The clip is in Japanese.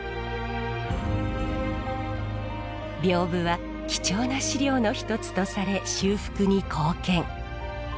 屏風は貴重な資料の一つとされ修復に貢献。